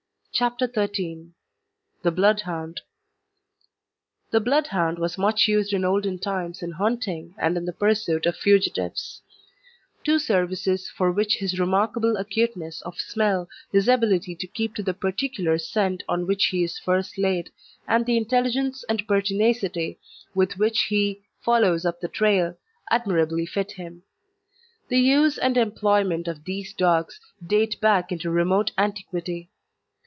CHAPTER XIII THE BLOODHOUND The Bloodhound was much used in olden times in hunting and in the pursuit of fugitives; two services for which his remarkable acuteness of smell, his ability to keep to the particular scent on which he is first laid, and the intelligence and pertinacity with which he follows up the trail, admirably fit him. The use and employment of these dogs date back into remote antiquity.